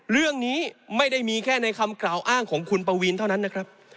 เรื่องนี้ไม่ได้มีแค่ในคำกล่าวอ้างของคุณปวีนเท่านั้นนะครับ